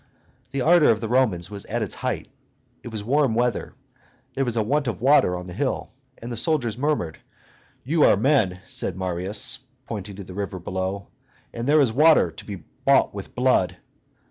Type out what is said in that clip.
The ardor of the Romans was at its height; it was warm weather; there was a want of water on the hill, and the soldiers murmured. "You are men," said Marius, pointing to the river below, "and there is water to be bought with blood."